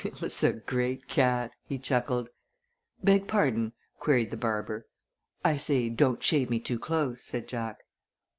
"Bill is a great cat!" he chuckled. "Beg pardon?" queried the barber. "I say don't shave me too close," said Jack.